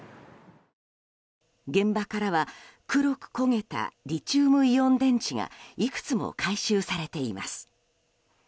現場からは黒く焦げたリチウムイオン電池がいくつも回収されています。